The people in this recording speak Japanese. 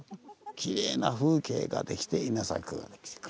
きれいな風景ができて稲作ができてくる。